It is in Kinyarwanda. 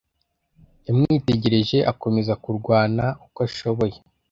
yamwitegereje akomeza kurwana uko ashoboye